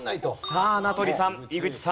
さあ名取さん井口さん